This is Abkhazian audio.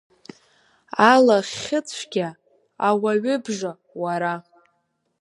Алахьыцәгьа, ауаҩыбжа уара!